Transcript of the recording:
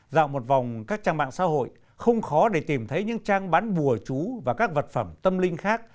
dạo một vòng các trang mạng xã hội không khó để tìm thấy những trang bán bùa chú và các vật phẩm tâm linh khác